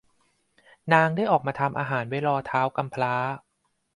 นางได้ออกมาทำอาหารไว้รอท้าวกำพร้า